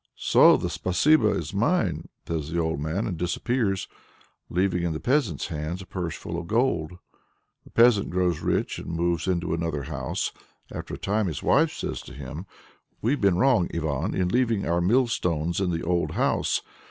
"So the spasibo is mine!" says the old man, and disappears, leaving in the peasant's hands a purse full of gold. The peasant grows rich, and moves into another house. After a time his wife says to him "We've been wrong, Ivan, in leaving our mill stones in the old house.